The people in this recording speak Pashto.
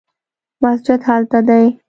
مسجد هلته دی